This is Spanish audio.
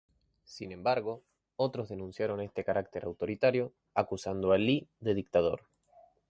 Sin embargo, otros denunciaron este carácter autoritario, acusando a Lee de dictador.